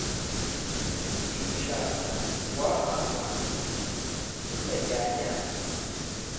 sinkishaka uwahamvana tutajyanyanye